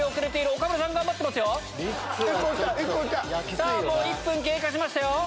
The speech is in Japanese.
さぁもう１分経過しましたよ。